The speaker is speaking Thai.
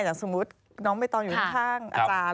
อย่างสมมุติน้องใบตองอยู่ข้างอาจารย์